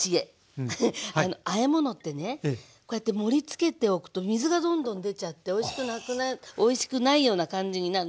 あえものってねこうやって盛りつけておくと水がどんどん出ちゃっておいしくないような感じになるのね。